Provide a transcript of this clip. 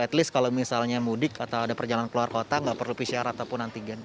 at least kalau misalnya mudik atau ada perjalanan keluar kota nggak perlu pcr ataupun antigen